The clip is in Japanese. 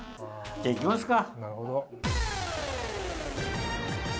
じゃあ行きますか。